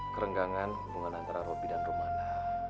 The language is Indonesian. kerenggangan hubungan antara roby dan rumana